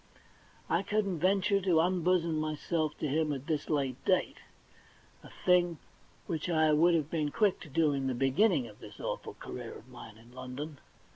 I couldn't venture to unbosom myself to him at this late date, a thing which I would have been quick to do in the beginning of this awful career of mine in London.